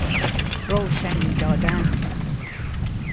روشنی دادن